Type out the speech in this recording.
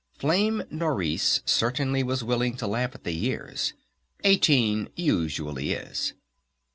Flame Nourice certainly was willing to laugh at the years. Eighteen usually is!